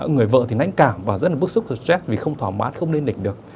người vợ thì nánh cảm và rất là bức xúc stress vì không thỏa mãn không lên đỉnh được